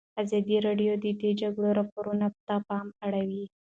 ازادي راډیو د د جګړې راپورونه ته پام اړولی.